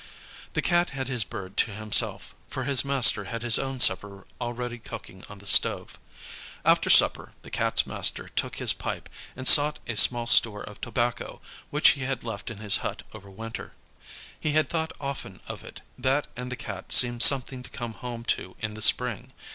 The Cat had his bird to himself, for his master had his own supper already cooking on the stove. After supper the Cat's master took his pipe, and sought a small store of tobacco which he had left in his hut over winter. He had thought often of it; that and the Cat seemed something to come home to in the spring.